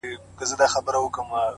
پرمختګ د نن له عملونو جوړیږي،